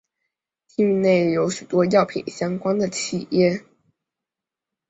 町域内有许多药品相关的企业。